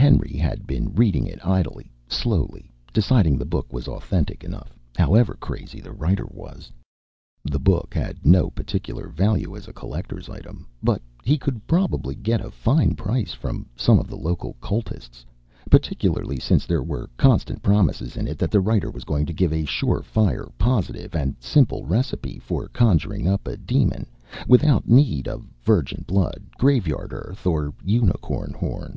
Henry had been reading it idly, slowly deciding the book was authentic enough, however crazy the writer was. The book had no particular value as a collector's item, but he could probably get a fine price from some of the local cultists, particularly since there were constant promises in it that the writer was going to give a surefire, positive and simple recipe for conjuring up a demon without need of virgin blood, graveyard earth or unicorn horn.